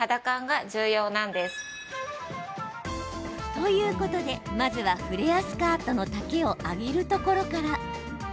ということでまずはフレアスカートの丈を上げるところから。